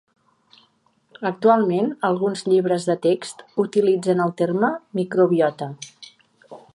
Actualment, alguns llibres de text utilitzen el terme microbiota.